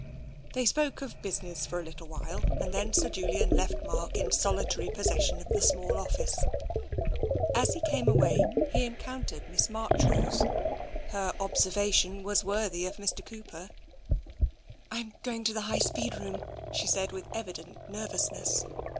They spoke of business for a little while and then Sir Julian left Mark in solitary possession of the small office. As he came away he encountered Miss Marchrose. Her observation was worthy of Mr. Cooper. " I'm going to the High Speed room," she sa<d, with evident nervousness.